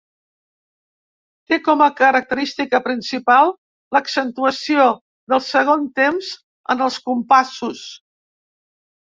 Té com a característica principal l'accentuació del segon temps en els compassos.